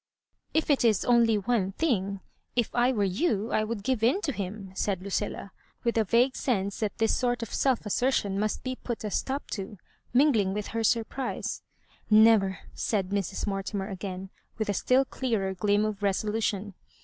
" If it is only one thing, if I were you I would give in to him," said Ludlla, with a vague sense that this sort of self assertion must be put a stop to^ mingling with her surprise. Never," said Mrs. Mortimer again, with a still clearer gleam of resolution.